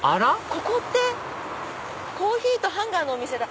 ここってコーヒーとハンガーのお店だ！